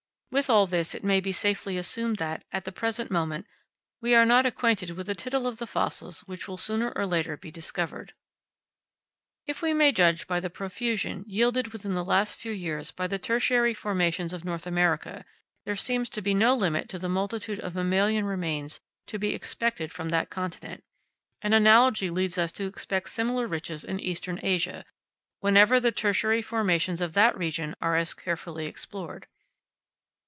With all this it may be safely assumed that, at the present moment, we are not acquainted with a tittle of the fossils which will sooner or later be discovered. If we may judge by the profusion yielded within the last few years by the Tertiary formations of North America, there seems to be no limit to the multitude of mammalian remains to be expected from that continent; and analogy leads us to expect similar riches in Eastern Asia, whenever the Tertiary formations of that region are as carefully explored.